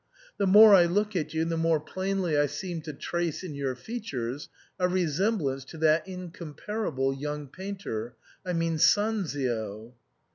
The more I look at you the more plainly I seem to trace in your features a resemblance to that incomparable young painter — I mean Sanzio."